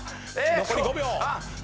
残り５秒。